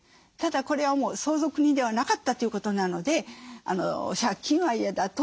ただこれはもう相続人ではなかったということなので借金は嫌だ。